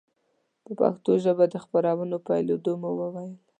په پښتو ژبه د خپرونو پیلېدو مو وویل.